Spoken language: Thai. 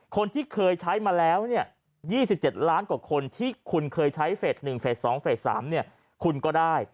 คนที่เคยใช้มาแล้ว๒๗ล้านกว่าคนที่คุณเคยใช้เฟส๑เฟส๒เฟส๓คุณก็ได้